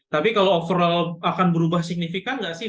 tapi kalau overall akan berubah signifikan nggak sih